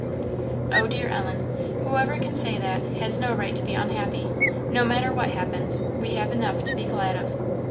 "Oh, dear Ellen, whoever can say that, has no right to be unhappy. No matter what happens, we have enough to be glad of."